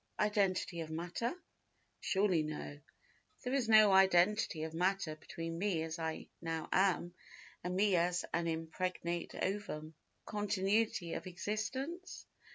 Identity of matter? Surely no. There is no identity of matter between me as I now am, and me as an impregnate ovum. Continuity of existence?